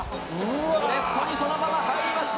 レフトにそのまま入りました。